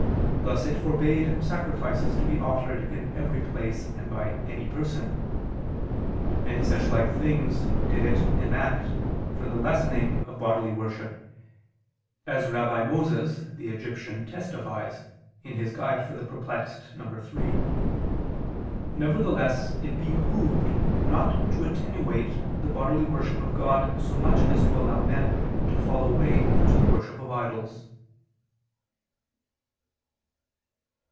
Thus it forbade sacrifices to be offered in every place and by any person. Many such like things did it enact for the lessening of bodily worship; as Rabbi Moses, the Egyptian testifies (Doct. Perplex. iii). Nevertheless it behooved not to attenuate the bodily worship of God so much as to allow men to fall away into the worship of idols.